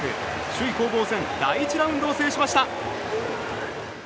首位攻防戦第１ラウンドを制しました。